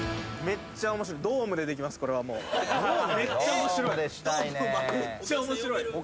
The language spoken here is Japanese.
めっちゃ面白い。